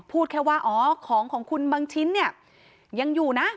พูดแค่ว่าอ๋อของของคุณบางชิ้นเนี่ยยังอยู่นะ